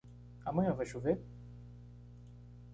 Amanhã vai chover?